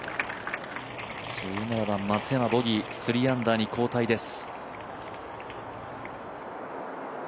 １７番、松山、ボギー、３アンダーに後退です。